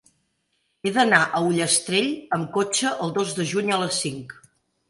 He d'anar a Ullastrell amb cotxe el dos de juny a les cinc.